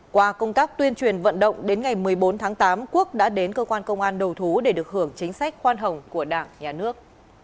qua công tác tuyên truyền vận động đến ngày một mươi bốn tháng tám quốc đã đến cơ quan công an đầu thú để được hưởng chính sách khoan hồng của đảng nhà nước